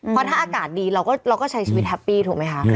เพราะถ้าอากาศดีเราก็ใช้ชีวิตแฮปปี้ถูกไหมคะ